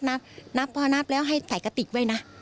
นับนับพอนับแล้วให้ใส่กระติกไว้นะ